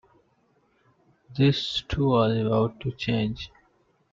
This, too, was about to change.